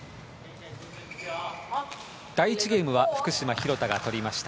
第１ゲームは福島、廣田が取りました。